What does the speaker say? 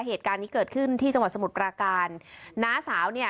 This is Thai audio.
เหตุการณ์นี้เกิดขึ้นที่จังหวัดสมุทรปราการน้าสาวเนี่ย